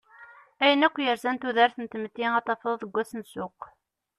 Ayen akk yerzan tudert n tmetti, ad t-tafeḍ deg wass n ssuq.